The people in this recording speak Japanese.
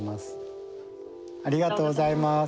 ありがとうございます。